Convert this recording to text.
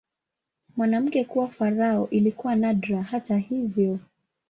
Mwanamke kuwa farao ilikuwa nadra, hata hivyo.